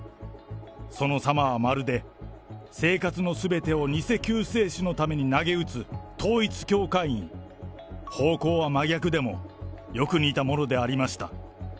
その様は、まるで生活のすべてを偽救世主のためになげうつ統一教会員、方向は真逆でも、よく似たものでありました。